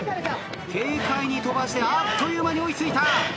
軽快に飛ばしてあっという間に追い付いた。